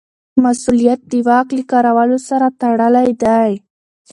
مسوولیت د واک له کارولو سره تړلی دی.